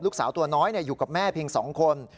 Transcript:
ลูกสาวตัวน้อยอยู่กับแม่เพียง๒คน